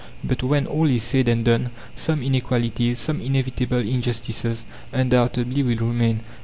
But, when all is said and done, some inequalities, some inevitable injustices, undoubtedly will remain.